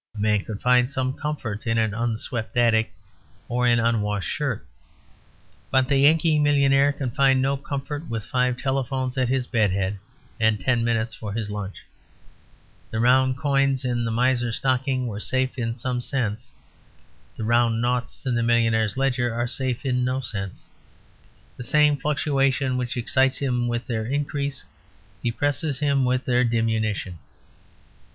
A man could find some comfort in an unswept attic or an unwashed shirt. But the Yankee millionaire can find no comfort with five telephones at his bed head and ten minutes for his lunch. The round coins in the miser's stocking were safe in some sense. The round noughts in the millionaire's ledger are safe in no sense; the same fluctuation which excites him with their increase depresses him with their diminution.